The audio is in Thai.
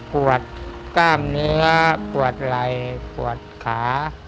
ปวดกล้ามเนื้อปวดไหล่ปวดขา